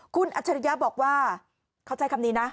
คุณอัจฉริยะบอกว่าเขาใช้คำนี้นะ